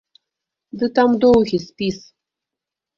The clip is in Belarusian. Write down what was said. Ды там доўгі спіс.